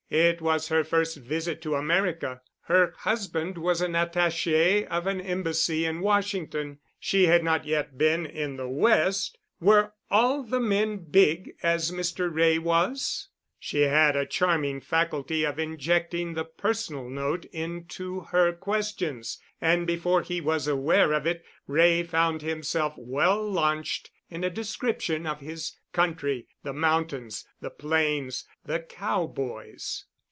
It was her first visit to America. Her husband was an attaché of an embassy in Washington. She had not yet been in the West. Were all the men big, as Mr. Wray was? She had a charming faculty of injecting the personal note into her questions, and before he was aware of it Wray found himself well launched in a description of his country—the mountains, the plains, the cowboys.